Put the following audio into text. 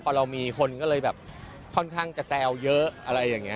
พอเรามีคนก็เลยแบบค่อนข้างจะแซวเยอะอะไรอย่างนี้